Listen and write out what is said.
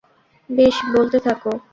বেশ, বলতে থাকো!